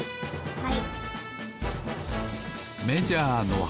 はい。